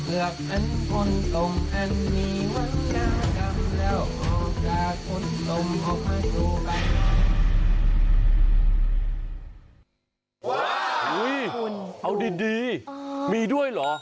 อุ้ยเอาดีมีด้วยเหรอ